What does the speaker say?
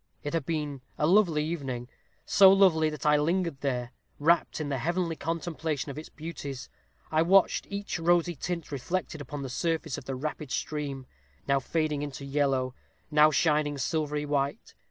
It had been a lovely evening so lovely, that I lingered there, wrapped in the heavenly contemplation of its beauties. I watched each rosy tint reflected upon the surface of the rapid stream now fading into yellow now shining silvery white.